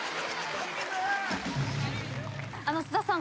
菅田さん。